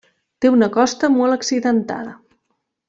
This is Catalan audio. Té una costa molt accidentada.